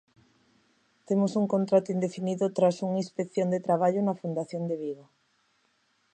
Temos un contrato indefinido tras unha inspección de traballo na fundación de Vigo.